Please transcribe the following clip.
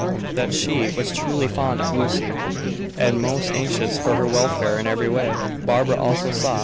That she was truly fond of Lucy, and most anxious for her welfare in every way, Barbara also saw.